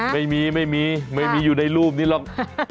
ไม่มีไม่มีอยู่ในรูปนี้หรอก